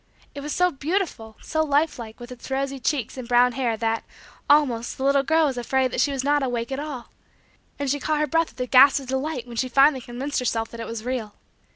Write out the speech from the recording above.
It was so beautiful, so lifelike, with its rosy cheeks and brown hair that, almost, the little girl was afraid that she was not awake after all; and she caught her breath with a gasp of delight when she finally convinced herself that it was real.